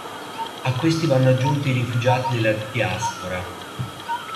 A questi vanno aggiunti i rifugiati della diaspora.